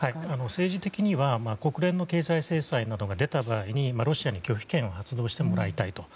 政治的には国連の経済制裁などが出た場合にロシアに拒否権を発動してもらいたいと。